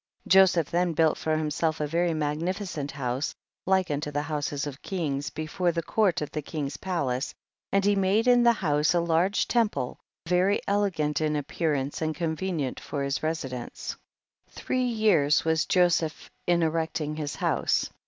40. Joseph then built for himself a very magnificent house like unto the houses of kings, before the court of the king's palace, and he made in the house a large temple, very ele gant in appearance and convenient for his residence ; three years was Joseph in erecting his house.